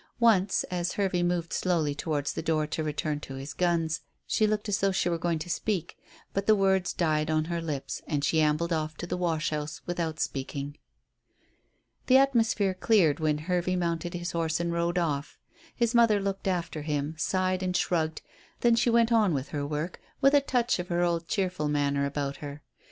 Once, as Hervey moved slowly towards the door to return to his guns, she looked as though she were going to speak. But the words died on her lips, and she ambled off to the wash house without speaking. The atmosphere cleared when Hervey mounted his horse and rode off. His mother looked after him, sighed and shrugged; then she went on with her work with a touch of her old cheerful manner about her.